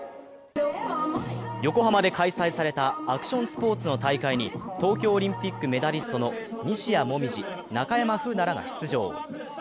横浜で開催されたアクションスポーツの大会に東京パラリンピックメダリストの西矢椛、中山楓奈らが出動。